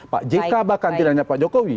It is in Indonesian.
pak jk bahkan tidak hanya pak jokowi